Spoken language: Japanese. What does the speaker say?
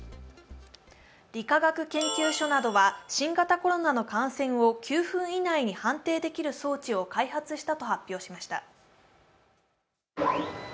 理化学研究所などは新型コロナの感染を９分以内に判定できる装置を開発したと発表しました。